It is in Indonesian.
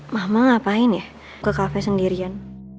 mama ngapain ya ke kafe sendirian